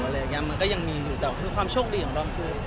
อะไรอย่างเงี้ยมันก็ยังมีอยู่แต่ว่าคือความโชคดีของร้องเพลง